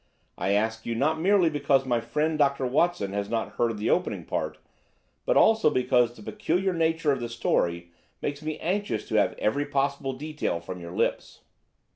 I ask you not merely because my friend Dr. Watson has not heard the opening part but also because the peculiar nature of the story makes me anxious to have every possible detail from your lips.